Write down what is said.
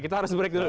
kita harus break dulu